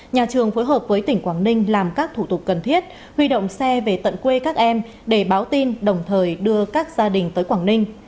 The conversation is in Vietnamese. nhà trường phối hợp với tỉnh quảng ninh làm các thủ tục cần thiết huy động xe về tận quê các em để báo tin đồng thời đưa các gia đình tới quảng ninh